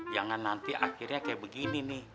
jangan nanti akhirnya kayak begini nih